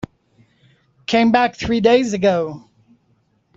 Came back three days ago.